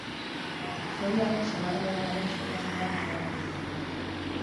Suediarrek seigarren lanaren xehetasunak aurreratu dizkigu.